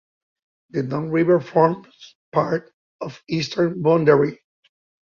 The Don River forms part of the eastern boundary.